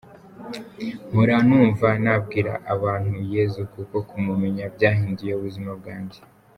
Mpora numva nabwira abantuYesu kuko kumumenya byahinduye ubuzima bwanjye.